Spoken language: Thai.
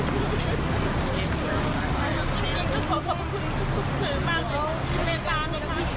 สวัสดีครับทุกคน